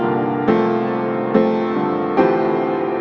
aku gak dengerin kata kata kamu mas